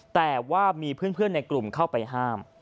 แต่ว่ามีเพื่อนในกลุ่มเข้าไปห้าม